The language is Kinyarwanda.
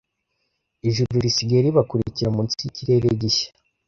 ijuru risigaye ribakurikira munsi yikirere gishya